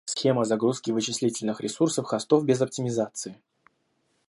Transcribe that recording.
Схема загрузки вычислительных ресурсов хостов без оптимизации